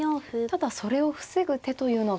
ただそれを防ぐ手というのが。